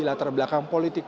latar belakang politik